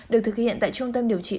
được thực hiện tại trung tâm điều trị